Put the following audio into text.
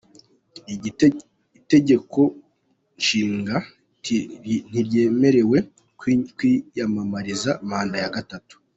Itegekonshinga ntirimwemerera kwiyamamariza manda ya gatatu.